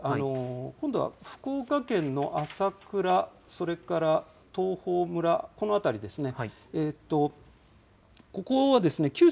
今度は福岡県の朝倉、それから東峰村、この辺りですね。